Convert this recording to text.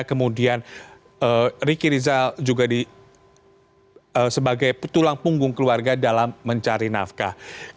kemudian riki rizal juga sebagai tulang punggung keluarga dalam mencari nafkah